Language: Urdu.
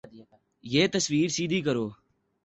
یہ تصویر سیدھی کرو